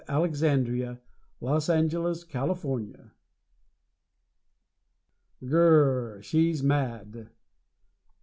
Alexandria, Los Angeles, Calif. _Gr r r She's Mad!